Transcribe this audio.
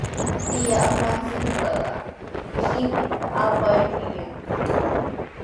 Tiyaa Francisca qipinta apariykan.